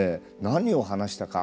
何を話したか